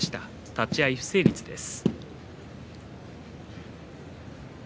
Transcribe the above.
立ち合い不成立です。